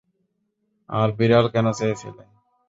আর বিড়াল কেন চেয়েছিলে?